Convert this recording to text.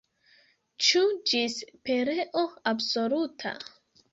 Ĉu ĝis pereo absoluta?